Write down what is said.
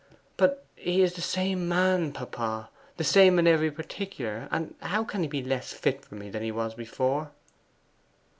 'But he is the same man, papa; the same in every particular; and how can he be less fit for me than he was before?